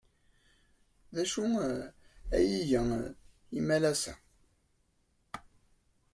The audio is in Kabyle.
D acu ay iga imalas-a?